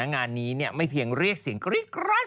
งานนี้ไม่เพียงเรียกเสียงกรี๊ดกราด